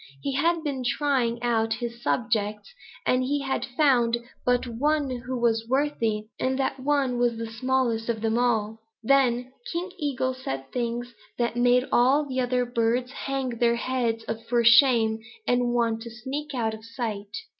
He had been but trying out his subjects, and he had found but one who was worthy, and that one was the smallest of them all. Then King Eagle said things that made all the other birds hang their heads for shame and want to sneak out of sight.